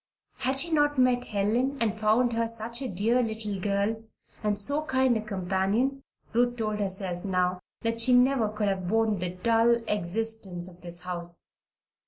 Had she not met Helen and found her such a dear girl and so kind a companion, Ruth told herself now that she never could have borne the dull existence of this house.